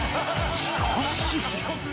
しかし。